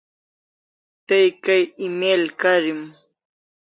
Tay kay email karim